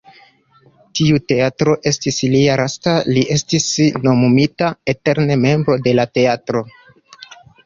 Tiu teatro estis lia lasta, li estis nomumita "eterne membro de la teatro".